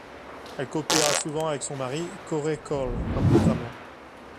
Elle coopéra souvent avec son mari Corey Cole, un programmeur.